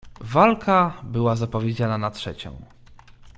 "Walka była zapowiedziana na trzecią."